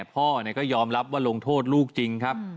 พ่อก็ยอมรับว่าลงโทษลูกจริงครับ